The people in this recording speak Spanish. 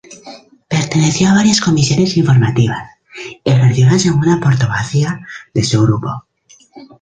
Perteneció a varias comisiones informativas y ejerció la segunda portavocía de su grupo.